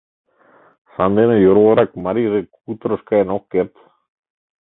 Сандене йорлырак марийже куторыш каен ок керт.